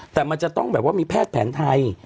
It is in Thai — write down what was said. แต่มันจะต้องแบบว่ามีแพทย์แผนไทย